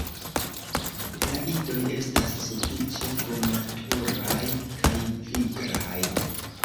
La idoj estas sufiĉe frumaturaj kaj viglaj.